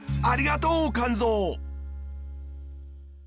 ありがとう肝臓！